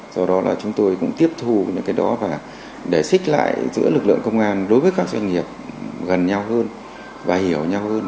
do đó là chúng tôi cũng tiếp thu những cái đó và để xích lại giữa lực lượng công an đối với các doanh nghiệp gần nhau hơn và hiểu nhau hơn